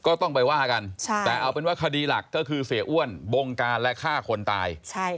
ก็ต้องไปว่ากันแต่เอาเป็นว่าคดีหลักก็คือเสียอ้วนบงการและฆ่าคนตาย